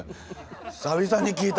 久々に聞いた。